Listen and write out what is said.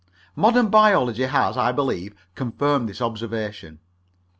Modern biology has, I believe, confirmed this observation.